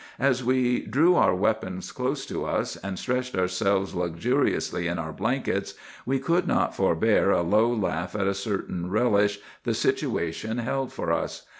As we drew our weapons close to us, and stretched ourselves luxuriously in our blankets, we could not forbear a low laugh at a certain relish the situation held for us.